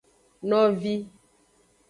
Novi.